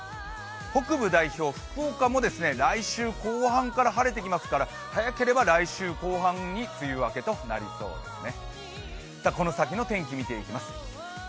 北部代表、福岡も来週後半から晴れてきますから、早ければ来週後半に梅雨明けとなりそうですね。